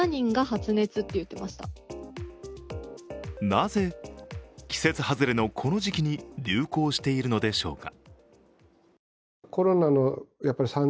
なぜ季節外れのこの時期に流行しているのでしょうか。